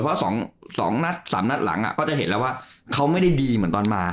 เพราะ๒นัด๓นัดหลังก็จะเห็นแล้วว่าเขาไม่ได้ดีเหมือนตอนมา